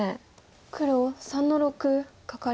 黒３の六カカリ。